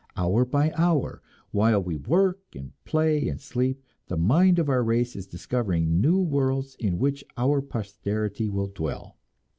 Hour by hour, while we work and play and sleep, the mind of our race is discovering new worlds in which our posterity will dwell.